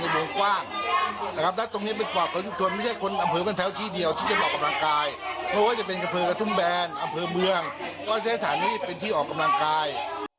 อำเภอกับทุ่มแบนอำเภอเมืองก็ใช้สถานีเป็นที่ออกกำลังกาย